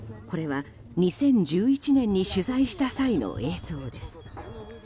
これは２０１１年に取材した際の映像です。